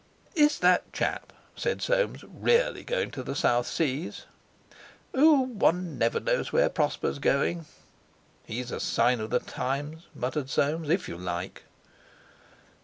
"Is that chap," said Soames, "really going to the South Seas?" "Oh! one never knows where Prosper's going!" "He's a sign of the times," muttered Soames, "if you like."